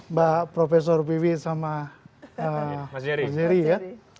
mbak profesor piwi sama jerry ya